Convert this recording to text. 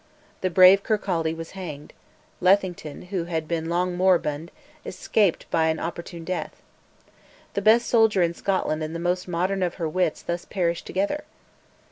The brave Kirkcaldy was hanged; Lethington, who had long been moribund, escaped by an opportune death. The best soldier in Scotland and the most modern of her wits thus perished together.